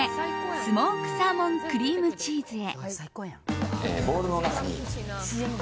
スモークサーモンクリームチーズへ。